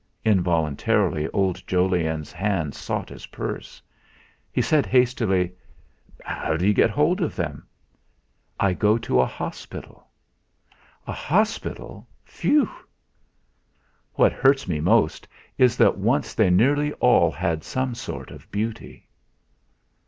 Involuntarily old Jolyon's hand sought his purse. He said hastily: "How d'you get hold of them?" "I go to a hospital." "A hospital! Phew!" "What hurts me most is that once they nearly all had some sort of beauty."